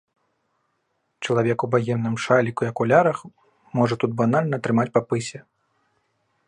Чалавек у багемным шаліку і акулярах можа тут банальна атрымаць па пысе.